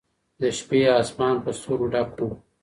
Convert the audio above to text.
د شپې اسمان په ستورو ډک و.